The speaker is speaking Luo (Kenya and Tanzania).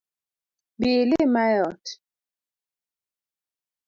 Bi ilima e ot